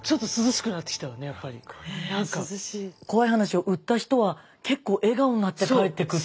怖い話を売った人は結構笑顔になって帰ってくって。